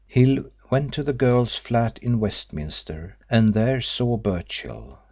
Hill went to that girl's flat in Westminster, and there saw Birchill.